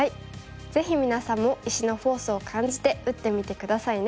ぜひ皆さんも石のフォースを感じて打ってみて下さいね。